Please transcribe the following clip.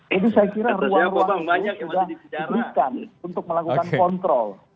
jadi saya kira ruang ruang itu sudah dikisahkan untuk melakukan kontrol